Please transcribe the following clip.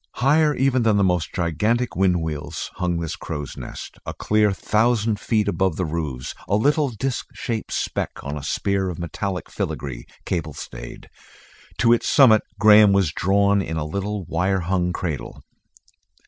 Higher even than the most gigantic, wind wheels hung this crow's nest, a clear thousand feet above the roofs, a little disc shaped speck on a spear of metallic filigree, cable stayed. To its summit Graham was drawn in a little wire hung cradle.